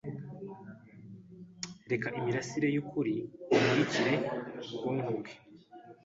reka imirasire yukuri imurikire ubwonko bwe